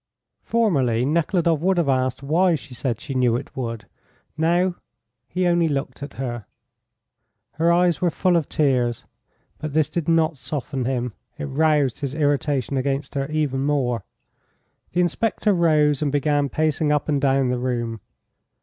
Formerly Nekhludoff would have asked why she said she knew it would; now he only looked at her. Her eyes were full of tears. But this did not soften him; it roused his irritation against her even more. The inspector rose and began pacing up and down the room.